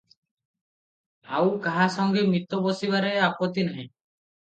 ଆଉ କାହା ସଙ୍ଗେ ମିତ ବସିବାରେ ଆପତ୍ତି ନାହିଁ ।